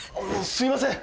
すいません！